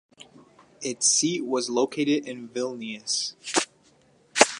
Its seat was located in Vilnius.